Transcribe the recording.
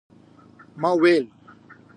ما ویل